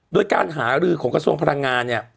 โดยการหารือของกระทรวงพลังงานเนี่ย